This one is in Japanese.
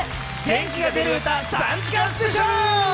元気が出る歌３時間スペシャル！